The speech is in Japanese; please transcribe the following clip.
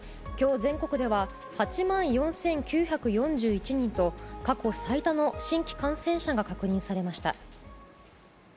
今日全国では８万４９４１人と過去最多の新規感染者が確認されました。